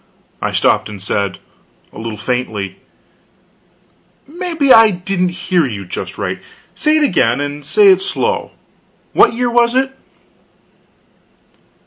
I stopped and said, a little faintly: "Maybe I didn't hear you just right. Say it again and say it slow. What year was it?"